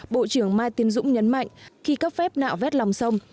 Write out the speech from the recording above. bộ trưởng mai tiến dũng nhấn mạnh khi cấp phép nạo vét lòng sông